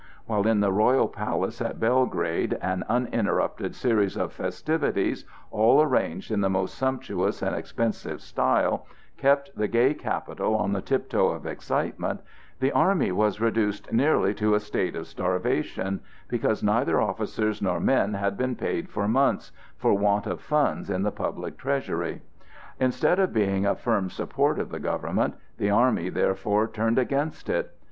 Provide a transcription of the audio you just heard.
While in the royal palace at Belgrade an uninterrupted series of festivities, all arranged in the most sumptuous and expensive style, kept the gay capital on the tiptoe of excitement, the army was reduced nearly to a state of starvation, because neither officers nor men had been paid for months, "for want of funds in the public treasury." Instead of being a firm support of the government, the army therefore turned against it.